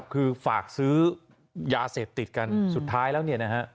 คือฝากซื้อยาเสพติดกันสุดท้ายแล้วเนี่ยนะฮะ